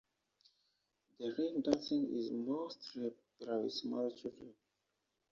The ring dancing is mostly popular with small children.